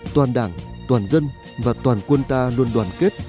toàn đảng toàn dân và toàn quân ta luôn đoàn kết